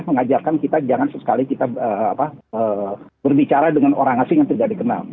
mengajarkan kita jangan sesekali kita berbicara dengan orang asing yang tidak dikenal